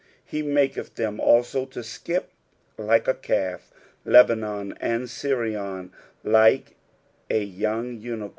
He maheth them alto to tkip like a calf; L^anom and 8irion liie a j/ming vniwm."